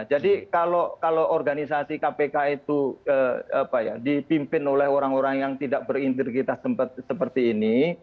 jadi kalau organisasi kpk itu dipimpin oleh orang orang yang tidak berintegritas seperti ini